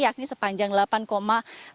yakni sepanjang delapan enam km